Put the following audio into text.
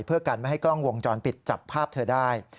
เพื่อกันไม่ให้กล้องวงจรปิดจับภาพเธอได้